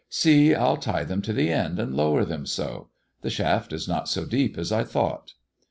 " See, I'll tie them to the end and lower them so. The shaft is not so deep as I thought."